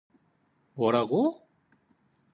뭐라고?